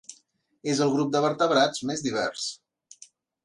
És el grup de vertebrats més divers.